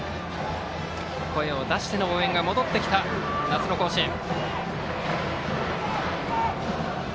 声を出しての応援が戻ってきた夏の甲子園。